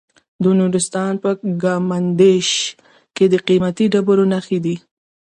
د نورستان په کامدیش کې د قیمتي ډبرو نښې دي.